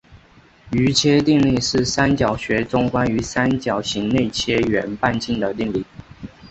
余切定理是三角学中关于三角形内切圆半径的定理。